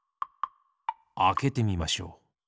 あけてみましょう。